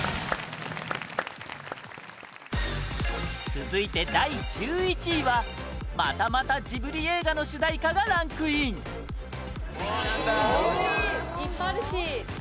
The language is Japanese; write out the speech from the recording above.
続いて、第１１位はまたまた、ジブリ映画の主題歌がランクイン森口：ジブリ、いっぱいあるし！